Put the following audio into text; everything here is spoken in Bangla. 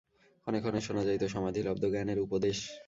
ক্ষণে ক্ষণে শোনা যাইত সমাধিলব্ধ জ্ঞানের উপদেশ।